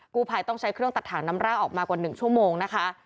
กู้ภัยต้องใช้เครื่องตัดถังน้ำร่างออกมากว่า๑ชั่วโมงนะคะ